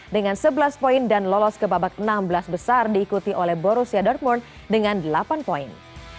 dengan sebelas poin dan lolos ke babak enam belas besar diikuti oleh borussia dortmund dengan delapan poin